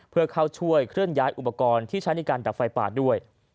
เพื่อเข้าช่วยเคลื่อนย้ายอุปกรณ์ที่ใช้ในการดับไฟป่าด้วย